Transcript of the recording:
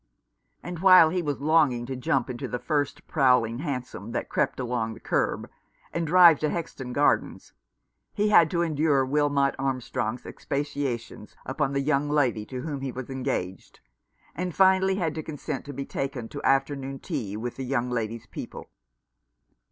And while he was longing to jump into the first prowling hansom that crept along the kerb, and drive to Hexton Gardens, he had to endure Wilmot Armstrong's expatiations upon the young lady to whom he was engaged, and finally had to consent to be taken to afternoon tea with the young lady's people.